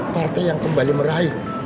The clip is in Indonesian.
partai yang kembali meraih